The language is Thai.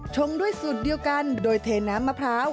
ชงด้วยสูตรเดียวกันโดยเทน้ำมะพร้าว